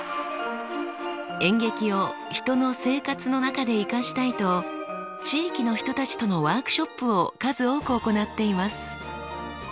演劇を人の生活の中で生かしたいと地域の人たちとのワークショップを数多く行っています。